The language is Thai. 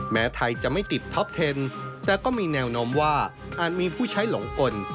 แม้ไทยจะไม่ติดท็อปเทนแต่ก็มีแนวโน้มว่าอาจมีผู้ใช้หลงกล